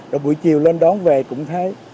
rồi buổi chiều lên đón về cũng thế